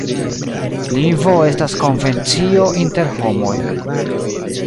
Lingvo estas konvencio inter homoj.